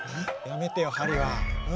やめてよはりは。